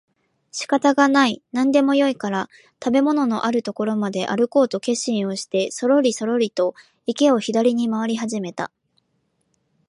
仕方がない、何でもよいから食物のある所まであるこうと決心をしてそろりそろりと池を左に廻り始めた